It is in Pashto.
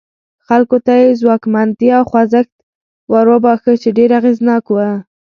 خلکو ته یې ځواکمنتیا او خوځښت وروباښه چې ډېر اغېزناک و.